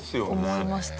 思いました。